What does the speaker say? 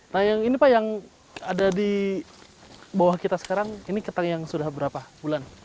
nah yang ini pak yang ada di bawah kita sekarang ini kentang yang sudah berapa bulan